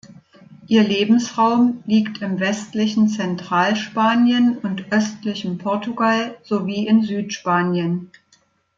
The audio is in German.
Ihr Lebensraum liegt im westlichen Zentralspanien und östlichem Portugal sowie in Südspanien.